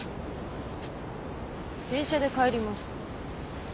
電車で帰ります。